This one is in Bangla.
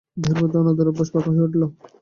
দেহের প্রতি অনাদরের অভ্যাস পাকা হয়ে উঠল।